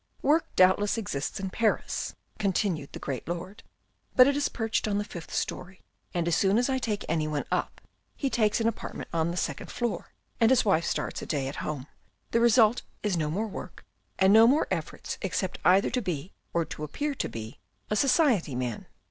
" Work doubtless exists in Paris," continued the great lord, " but it is perched on the fifth story, and as soon as I take anyone up, he takes an apartment on the second floor, and AN AMBITIOUS MAN 219 his wife starts a day at home ; the result is no more work and no more efforts except either to be, or appear to be, a society man.